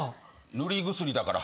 塗り薬だから。